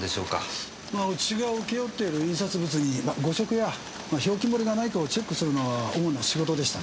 うちが請け負ってる印刷物に誤植や表記漏れがないかをチェックするのが主な仕事でしたね。